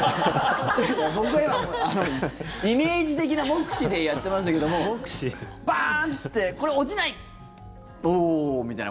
僕は今、イメージ的な目視でやっていましたけどもバーンっつってこれ落ちない！